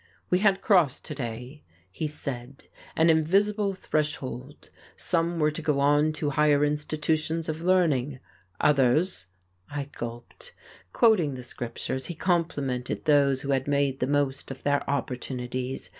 "We had crossed to day," he said, "an invisible threshold. Some were to go on to higher institutions of learning. Others..." I gulped. Quoting the Scriptures, he complimented those who had made the most of their opportunities.